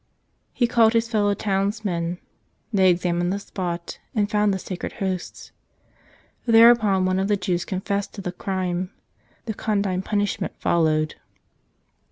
He called his fellow townsmen; they examined the spot and found the sacred Hosts. Thereupon one of the Jews confessed to the crime — and condign punishment followed.